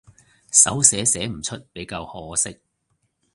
手寫寫唔出比較可惜